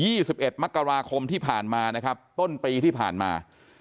สิบเอ็ดมกราคมที่ผ่านมานะครับต้นปีที่ผ่านมา